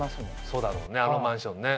そうだろうねあのマンションね。